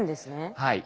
はい。